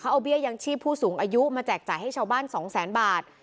เอาเบี้ยยังชีพผู้สูงอายุมาแจกจ่ายให้ชาวบ้านสองแสนบาท